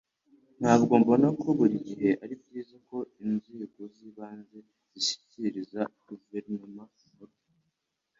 Ntabwo mbona ko buri gihe ari byiza ko inzego z'ibanze zishyikiriza guverinoma nkuru.